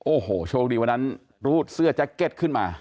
โอ้โหโชคดีวันนั้นรูดเสื้อแจ็คเก็ตขึ้นมา